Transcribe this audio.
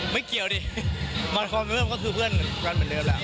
ไม่เกี่ยวดิมันความเริ่มก็คือเพื่อนกันเหมือนเดิมแหละ